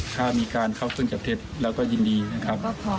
ถ้ามีการเข้าเครื่องจับเท็จเราก็ยินดีนะครับ